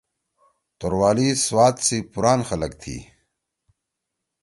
توروالی سوات سی پُران خلگ تھی۔